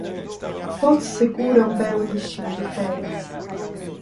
Porto Seguro é um belo destino de férias